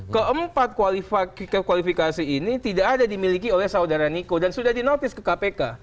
keempat kualifikasi ini tidak ada dimiliki oleh saudara niko dan sudah dinotis ke kpk